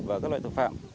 và các loại thủ phạm